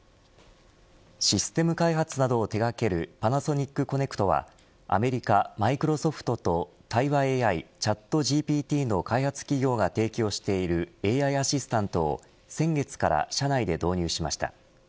システム開発などを手掛けるパナソニックコネクトはアメリカ、マイクロソフトと対話ＡＩ、ＣｈａｔＧＰＴの開発企業が提供しているＡＩアシスタントを先月から社内で導入しました。